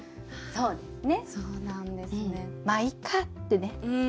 そうですね。